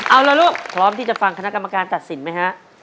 เอาละลูกพร้อมที่จะฟังคณะกรรมการตัดสินไหมฮะ